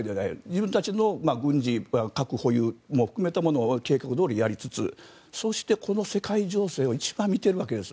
自分たちの軍事核保有も含めたものを計画どおりやりつつそして、この世界情勢を一番見てるわけです。